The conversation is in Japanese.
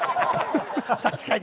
確かに。